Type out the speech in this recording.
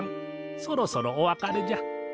そろそろお別れじゃ。